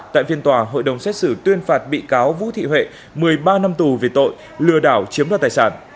tại phiên tòa hội đồng xét xử tuyên phạt bị cáo vũ thị huệ một mươi ba năm tù về tội lừa đảo chiếm đoạt tài sản